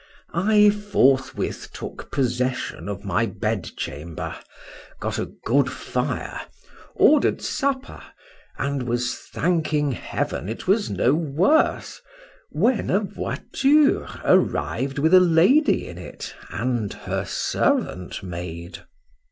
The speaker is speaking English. I forthwith took possession of my bedchamber—got a good fire—order'd supper; and was thanking heaven it was no worse, when a voiturin arrived with a lady in it and her servant maid.